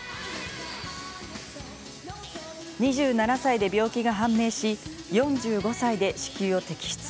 ２７歳で病気が判明し４５歳で子宮を摘出。